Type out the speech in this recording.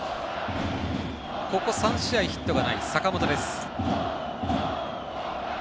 ここ３試合ヒットがない坂本です。